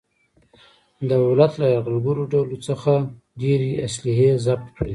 دولت له یرغلګرو ډولو څخه ډېرې اصلحې ضبط کړلې.